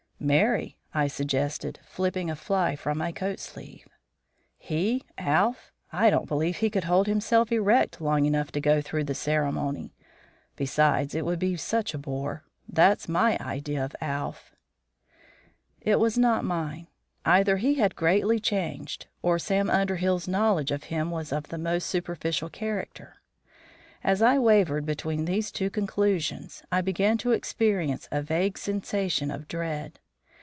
"Marry," I suggested, fillipping a fly from my coat sleeve. "He? Alph? I don't believe he could hold himself erect long enough to go through the ceremony. Besides, it would be such a bore. That's my idea of Alph." It was not mine. Either he had greatly changed, or Sam Underhill's knowledge of him was of the most superficial character. As I wavered between these two conclusions I began to experience a vague sensation of dread.